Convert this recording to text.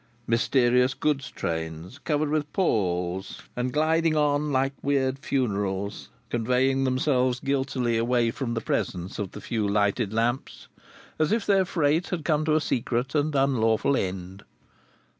Mysterious goods trains, covered with palls and gliding on like vast weird funerals, conveying themselves guiltily away from the presence of the few lighted lamps, as if their freight had come to a secret and unlawful end.